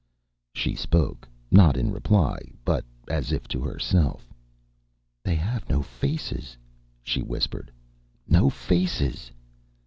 She spoke, not in reply, but as if to herself. "They have no faces," she whispered. "No faces!"